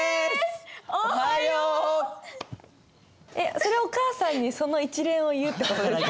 えっそれお母さんにその一連を言うって事ですか？